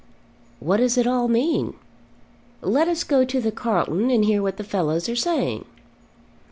"What does it all mean?" "Let us go to the Carlton and hear what the fellows are saying."